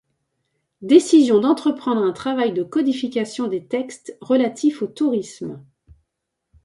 Décision d’entreprendre un travail de codification des textes relatifs au tourisme.